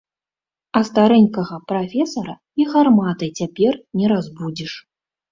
А старэнькага прафесара і гарматай цяпер не разбудзіш.